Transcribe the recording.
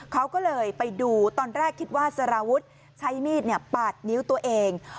เขาก็เลยไปดูตอนแรกคิดว่าสารวุฒิใช้มีดปาดนิ้วตัวเอง